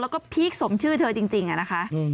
แล้วก็พีคสมชื่อเธอจริงอะนะคะ